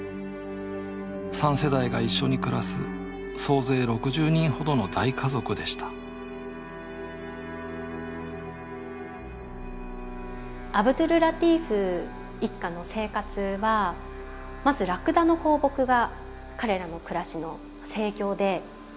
３世代が一緒に暮らす総勢６０人ほどの大家族でしたアブドュルラティーフ一家の生活はまずラクダの放牧が彼らの暮らしの生業で。